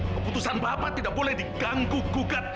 keputusan bapak tidak boleh diganggu gugat